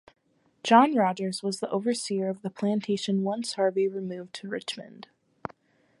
John Rogers was the overseer of the plantation once Harvie removed to Richmond.